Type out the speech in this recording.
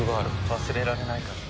忘れられないからだ。